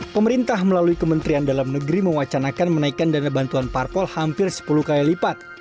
pemerintah melalui kementerian dalam negeri mewacanakan menaikkan dana bantuan parpol hampir sepuluh kali lipat